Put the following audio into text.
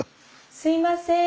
すいません。